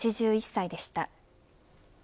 ８１歳でした。